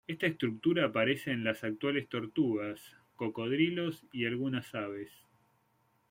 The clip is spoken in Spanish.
Esta estructura aparece en las actuales tortugas, cocodrilos y en algunas aves.